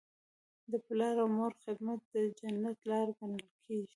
د پلار او مور خدمت د جنت لاره ګڼل کیږي.